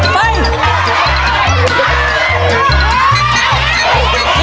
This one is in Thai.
ไปไป